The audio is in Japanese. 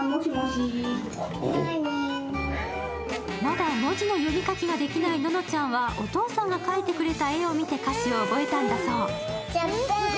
まだ文字の読み書きができないののちゃんは、お父さんが書いてくれた絵を見て歌詞を覚えたんだそう。